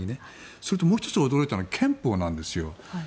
それともう１つ驚いたのは憲法なんですよ。